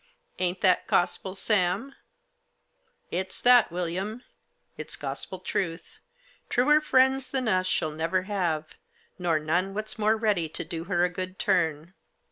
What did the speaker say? Ain't that gospel, Sami "" It's that, William ; it's gospel truth. Truer friends than us she'll never have, nor none what's more ready to do her a good turn."